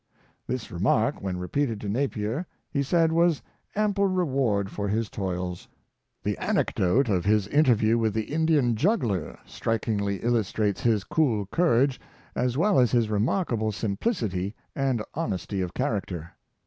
This remark, when repeat ed to Napier, he said was ample reward for his toils. The anecdote of his interview with the Indian juggler strikingly illustrates his cool courage, as well as his re markable simplicity and honesty of character.